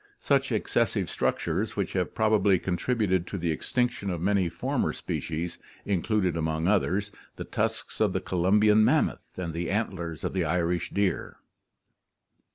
Such excessive structures, which have / l i\ ;* 178 ORGANIC EVOLUTION probably contributed to the extinction of many former species, in 1 elude among others the tusks of the Columbian mammoth and the antlers of the Irish deer.